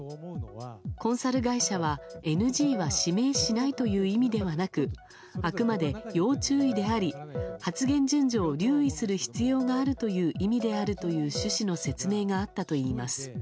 コンサル会社は、ＮＧは指名しないという意味ではなくあくまで要注意であり発言順序を留意する必要があるという意味であるという趣旨の説明があったといいます。